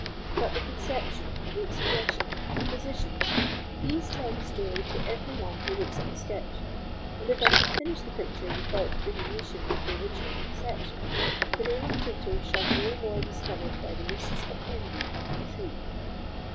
But the conception—the expression—the positions—these tell the story to every one who looks at the sketch; and if I can finish the picture without diminution of the original conception, the name of Tinto shall no more be smothered by the mists of envy and intrigue."